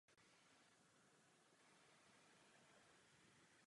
Sakristie se nachází nalevo od oltáře a vstup má vedle kazatelny.